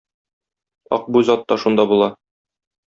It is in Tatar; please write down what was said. Акбүз ат та шунда була.